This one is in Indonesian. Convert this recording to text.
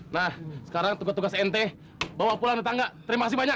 nah sekarang tugas tugas ent bawa pulang tetangga terima kasih banyak